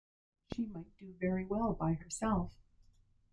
She might do very well by herself.